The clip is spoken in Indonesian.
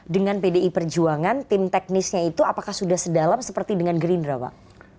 dengan pdi perjuangan tim teknisnya itu apakah sudah sedalam seperti dengan gerindra pak